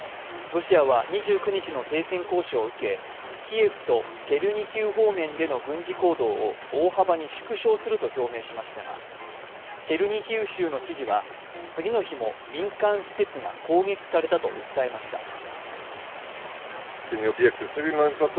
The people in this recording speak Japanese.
ロシアは２９日の停戦交渉を受けキエフとチェルニヒウ方面での軍事行動を大幅に縮小すると表明しましたが、チェルニヒウ州の知事は次の日も民間施設が攻撃されたと訴えました。